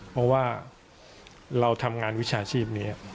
เพราะว่าเราทำงานวิชาชีพนี้